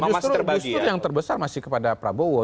justru yang terbesar masih kepada prabowo